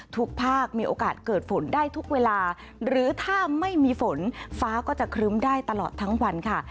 ภาคมีโอกาสเกิดฝนได้ทุกเวลาหรือถ้าไม่มีฝนฟ้าก็จะครึ้มได้ตลอดทั้งวันค่ะ